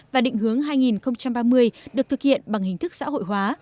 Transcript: và định hướng hai nghìn ba mươi được thực hiện bằng hình thức xã hội hóa